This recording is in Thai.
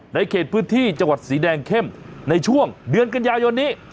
ในพื้นที่จังหวัดสีแดงเข้มในช่วงเดือนกันยายนนี้